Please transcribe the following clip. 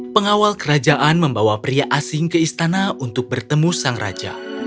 pengawal kerajaan membawa pria asing ke istana untuk bertemu sang raja